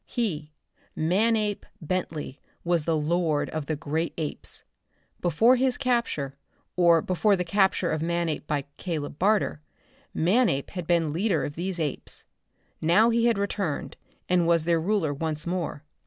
He, Manape Bentley, was the lord of the great apes! Before his capture, or before the capture of Manape by Caleb Barter, Manape had been leader of these apes. Now he had returned and was their ruler once more.